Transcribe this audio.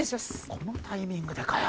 このタイミングでかよ